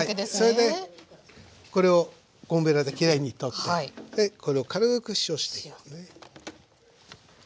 それでこれをゴムべらできれいにとってでこれを軽く塩していきますね。